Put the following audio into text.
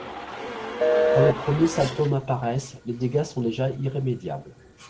Quand les premiers symptômes apparaissent, les dégâts sont déjà irrémédiables.